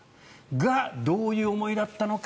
それがどういう思いだったのか。